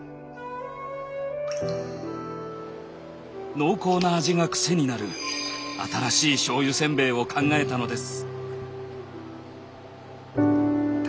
濃厚な味がクセになる新しい醤油せんべいを考えたのです。